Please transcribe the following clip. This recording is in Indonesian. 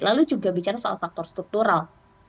lalu juga bicara soal faktor struktural